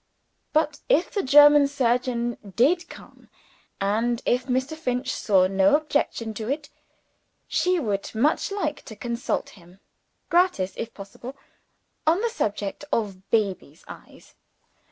But, if the German surgeon did come, and if Mr. Finch saw no objection to it, she would much like to consult him (gratis, if possible) on the subject of "baby's eyes."